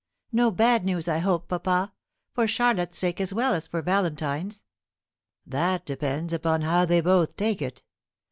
"No bad news, I hope, papa; for Charlotte's sake as well as for Valentine's." "That depends upon how they both take it.